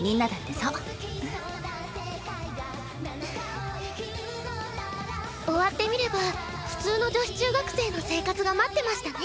７日を生きるのなら終わってみれば普通の女子中学生の生活が待ってましたね。